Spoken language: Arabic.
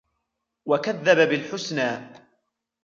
وكذب بالحسنى